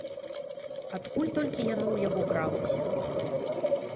Адкуль толькі яно ў яго бралася.